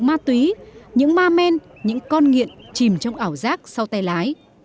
ma túy những ma men những con nghiện chìm trong ảo giác sau tay lái